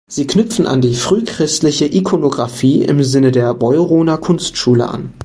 Sie knüpfen an die frühchristliche Ikonografie im Sinne der Beuroner Kunstschule an.